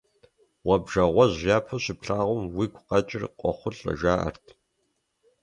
Гъуэбжэгъуэщ япэу щыплъагъум уигу къэкӀыр къохъулӀэ, жаӀэрт.